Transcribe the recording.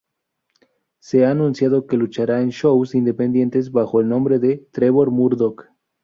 Se ha anunciado que luchará en shows independientes bajo el nombre de Trevor Murdock.